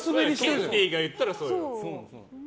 ケンティーが言ったらね。